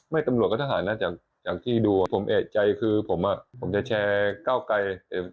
ตำรวจก็ทหารนะจากที่ดูผมเอกใจคือผมผมจะแชร์ก้าวไกล